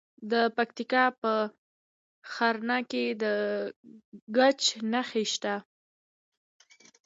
د پکتیکا په ښرنه کې د ګچ نښې شته.